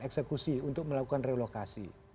eksekusi untuk melakukan relokasi